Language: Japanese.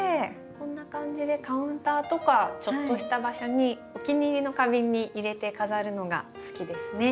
こんな感じでカウンターとかちょっとした場所にお気に入りの花瓶に入れて飾るのが好きですね。